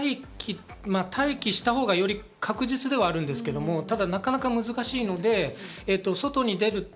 待機したほうがより確実ではあるんですけれど、なかなか難しいので、外に出る。